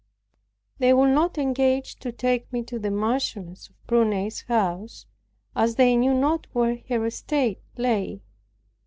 They would not engage to take me to the Marchioness of Prunai's house, as they knew not where her estate lay.